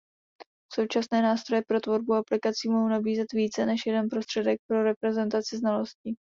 Současné nástroje pro tvorbu aplikací mohou nabízet více než jeden prostředek pro reprezentaci znalostí.